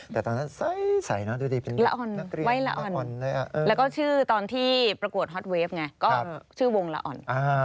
แต่ตอนนั้นใส่เนอะดูดีเป็นนักเรียนละอ่อนไว้ละอ่อนแล้วก็ชื่อตอนที่ประกวดฮอตเวฟไงก็ชื่อวงละอ่อน